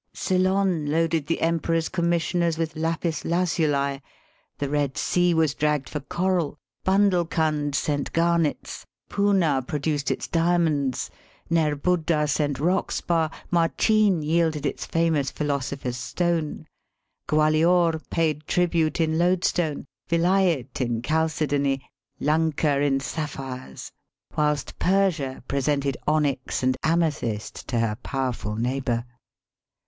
Ceylon loaded the Emperor's com Digitized by VjOOQIC *^THE WONDER OP INDIA." 287 missioners with lapis lazuli; the Eed Sea was dragged for coral; Bundelkund sent garnets; Punnah produced its diamonds; Nerbudda sent rock spar; Marcheen yielded its famous philosopher's stone; Gwalior paid tribute in loadstone, Villait in chalcedony, Lunka in sapphires; whilst Persia presented onyx and amethyst to her powerful neighbour.